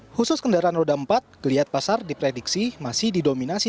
khusus kendaraan roda keempat kelihatan pasar diprediksi masih didominasi